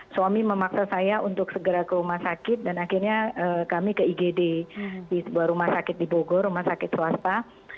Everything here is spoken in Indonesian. suami memaksa saya untuk segera ke rumah sakit dan akhirnya kami ke igd di sebuah rumah sakit di bogor rumah sakit swasta